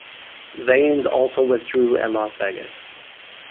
Viens also withdrew at Las Vegas.